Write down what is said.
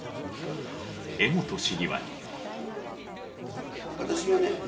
江本市議は。